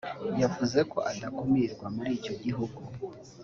yavuze ko adakumirwa muri icyo gihugu